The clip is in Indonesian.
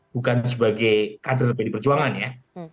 bukan sebagai kader berperjuangannya